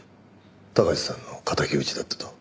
鷹児さんの敵討ちだったと。